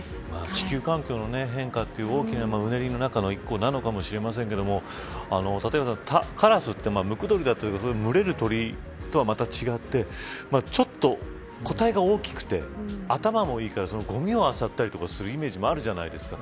地球環境の変化という大きなうねりの中の一個なのかもしれませんが立岩さん、カラスって群れる、ムクドリだったりとか群れる鳥とは、ちょっと違って個体が大きくて頭もいいからゴミをあさったりするイメージもあるじゃないですか。